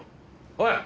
おい！